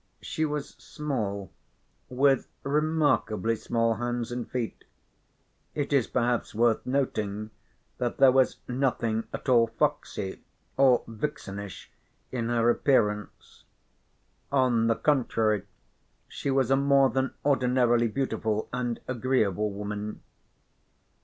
She was small, with remarkably small hands and feet. It is perhaps worth noting that there was nothing at all foxy or vixenish in her appearance. On the contrary, she was a more than ordinarily beautiful and agreeable woman.